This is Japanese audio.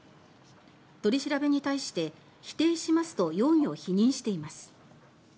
取り調べに対して否定しますと容疑を否認しています。